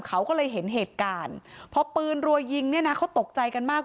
เขาก็เลยเห็นเหตุการณ์พอปืนรัวยิงเนี่ยนะเขาตกใจกันมาก